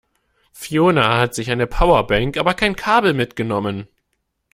Fiona hat sich eine Powerbank, aber kein Kabel mitgenommen.